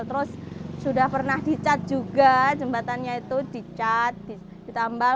terus sudah pernah dicat juga jembatannya itu dicat ditambal